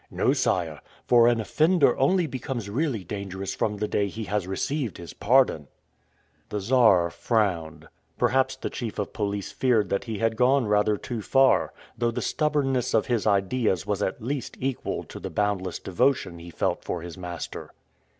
"No, sire; for an offender only becomes really dangerous from the day he has received his pardon." The Czar frowned. Perhaps the chief of police feared that he had gone rather too far, though the stubbornness of his ideas was at least equal to the boundless devotion he felt for his master.